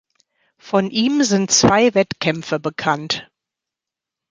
Von ihm sind zwei Wettkämpfe bekannt.